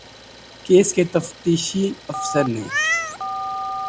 case کے تفتیشی افسر نے